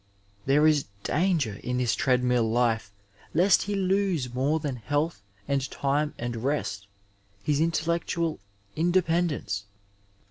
There is danger in this treadmill life lest he lose more than health and time and rest — ^his in tellectual independence.